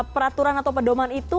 peraturan atau pedoman itu